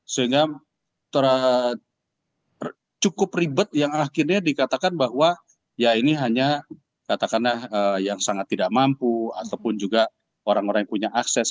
sehingga cukup ribet yang akhirnya dikatakan bahwa ya ini hanya katakanlah yang sangat tidak mampu ataupun juga orang orang yang punya akses